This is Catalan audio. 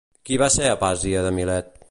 Qui va ser Aspàsia de Milet?